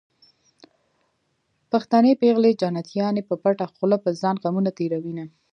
پښتنې پېغلې جنتيانې په پټه خوله په ځان غمونه تېروينه